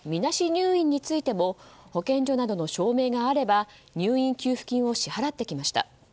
入院についても保健所などの証明があれば入院給付金を支払ってきました。